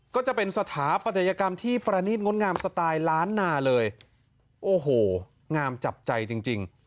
ก็จะเป็นสถาปัตยกรรมที่ประณีตงดงามสไตล์ล้านนาเลยโอ้โหงามจับใจจริงจริง